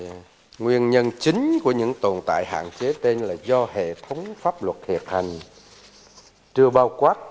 thì nguyên nhân chính của những tồn tại hạn chế tên là do hệ thống pháp luật thiệt hành chưa bao quát